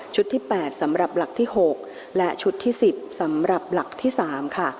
ที่๘สำหรับหลักที่๖และชุดที่๑๐สำหรับหลักที่๓ค่ะ